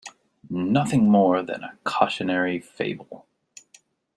Nothing more than a cautionary fable.